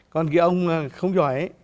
còn khi ông không giỏi ấy